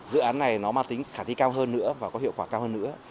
dự án này nó mang tính khả thi cao hơn nữa và có hiệu quả cao hơn nữa